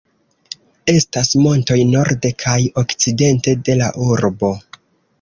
Estas montoj norde kaj okcidente de la urbo.